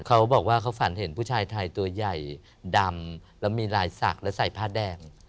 เขาบอกว่าเขาฝันเห็นผู้ชายไทยตัวใหญ่ดำแล้วมีลายศักดิ์และใส่ผ้าแดง